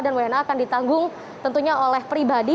dan wna akan ditanggung tentunya oleh pribadi